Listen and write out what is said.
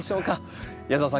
矢澤さん